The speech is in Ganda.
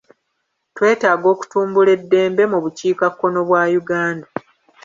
Twetaaga okutumbula eddembe mu bukiikakkono bwa Uganda.